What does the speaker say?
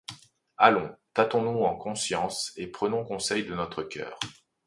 Allons, tâtons-nous en conscience et prenons conseil de notre cœur.